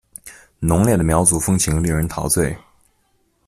浓烈的苗族风情令人陶醉。